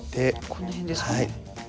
この辺ですか。